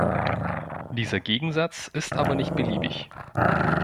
Dieser Gegensatz ist aber nicht beliebig.